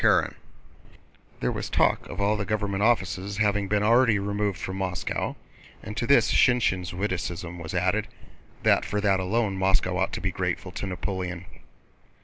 * There was talk of all the government offices having been already removed from Moscow, and to this Shinshín's witticism was added—that for that alone Moscow ought to be grateful to Napoleon.